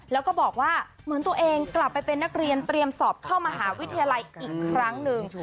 แล้วก็บอกว่าเหมือนตัวเองกลับไปเป็นนักเรียนเตรียมสอบเข้ามหาวิทยาลัยอีกครั้งหนึ่ง